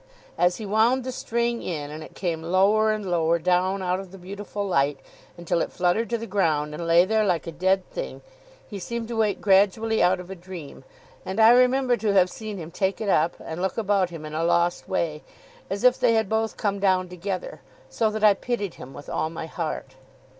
As he wound the string in and it came lower and lower down out of the beautiful light, until it fluttered to the ground, and lay there like a dead thing, he seemed to wake gradually out of a dream; and I remember to have seen him take it up, and look about him in a lost way, as if they had both come down together, so that I pitied him with all my heart.